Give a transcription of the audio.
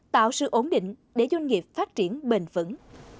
tạo sự ổn định để doanh nghiệp phát triển bền vững